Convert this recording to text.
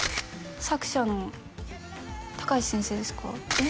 作者の高橋先生ですか？